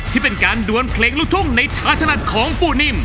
ที่เป็นการดวนเพลงลูกทุ่งในท่าถนัดของปูนิ่ม